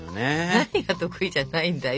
何が得意じゃないんだよ。